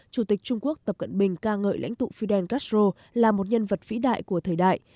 chủ tịch trung quốc tập cận bình ca ngợi lãnh tụ fidel castro là một nhân vật vĩ đại của thời đại